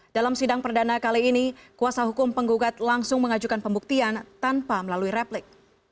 dalam sidang perdana kali ini kuasa hukum penggugat langsung mengajukan pembuktian tanpa melalui replik